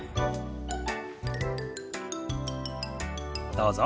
どうぞ。